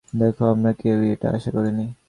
দেখো, আমরা কেউই এটা আশা করিনি।